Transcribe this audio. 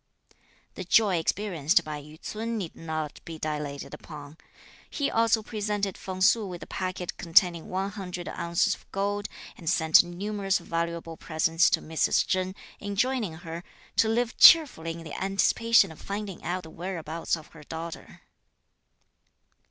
The joy experienced by Yü ts'un need not be dilated upon. He also presented Feng Su with a packet containing one hundred ounces of gold; and sent numerous valuable presents to Mrs. Chen, enjoining her "to live cheerfully in the anticipation of finding out the whereabouts of her daughter."